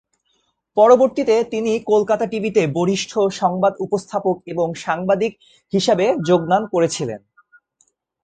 পরবর্তীতে তিনি কলকাতা টিভিতে বরিষ্ঠ সংবাদ উপস্থাপক এবং সাংবাদিক হিসাবে যোগদান করেছিলেন।